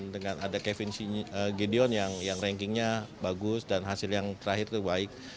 dengan ada kevin gideon yang rankingnya bagus dan hasil yang terakhir itu baik